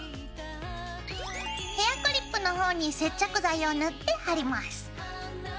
ヘアクリップの方に接着剤を塗って貼ります。